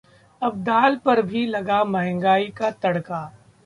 अब दाल पर भी लगा 'महंगाई का तड़का'